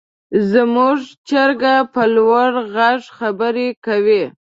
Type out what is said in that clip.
زموږ چرګه په لوړ غږ خبرې کوي.